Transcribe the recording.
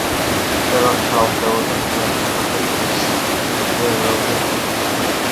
გვხვდება მშრალ მდელოზე, ქვიან ფერდობზე, ტყის პირზე, ველზე, გზის პირზე.